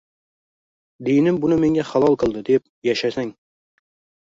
«dinim buni menga halol qildi» deb yashasang